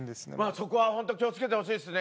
そこはほんと気を付けてほしいっすね。